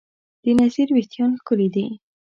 د نذیر وېښتیان ښکلي دي.